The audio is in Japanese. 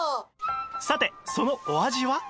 さてそのお味は？